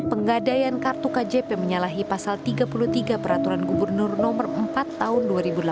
penggadaian kartu kjp menyalahi pasal tiga puluh tiga peraturan gubernur no empat tahun dua ribu delapan belas